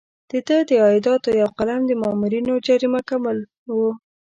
د ده د عایداتو یو قلم د مامورینو جریمه کول وو.